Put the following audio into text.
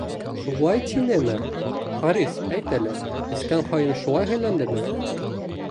Шулай тинеме, Харис, әйт әле, эскән һайын шулай һөйләндеме?